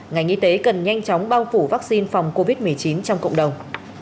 ngành y tế cần nhanh chóng bao phủ vaccine phòng covid một mươi chín trong cộng đồng